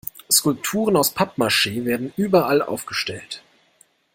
Skulpturen aus Pappmaschee werden überall aufgestellt.